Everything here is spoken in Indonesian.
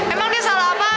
emang dia salah apa